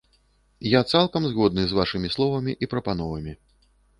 Я цалкам згодны з вашымі словамі і прапановамі.